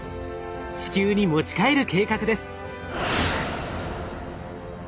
地球に持ち帰る計画です。